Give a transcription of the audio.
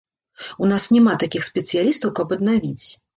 У нас няма такіх спецыялістаў, каб аднавіць.